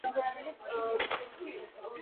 ყოველ მათგანს თავისი წყვილი ჰყავს.